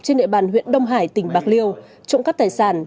trên địa bàn huyện đông hải tỉnh bạc liêu trộm cắp tài sản